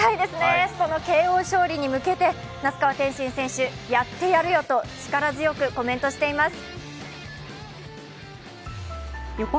そのＫＯ勝利に向けて那須川天心選手、やってやるよと力強くコメントしています。